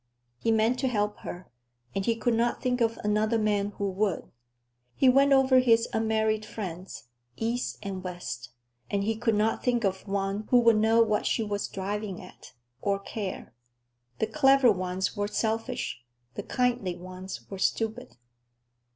He meant to help her, and he could not think of another man who would. He went over his unmarried friends, East and West, and he could not think of one who would know what she was driving at—or care. The clever ones were selfish, the kindly ones were stupid.